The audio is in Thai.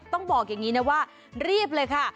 ต้องบอกอย่างนี้นะว่ารีบเลยค่ะ